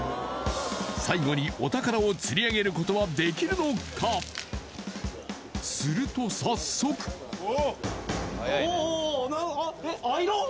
最後にお宝を釣りあげることはできるのかすると早速おおおおおおえっ？